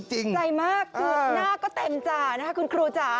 ใจมากคือหน้าก็เต็มจ่านะคะคุณครูจ๋า